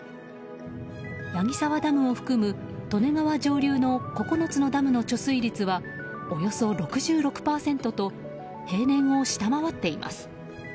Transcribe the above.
矢木沢ダムを含む、利根川上流の９つのダムの貯水率はおよそ６６％と平年を下回っています。